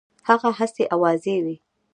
هغه هسي آوازې وي.